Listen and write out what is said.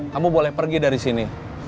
kamu boleh pergi dari sini